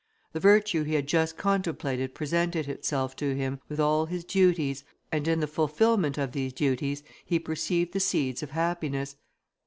The virtue he had just contemplated presented itself to him, with all his duties; and in the fulfilment of these duties he perceived the seeds of happiness.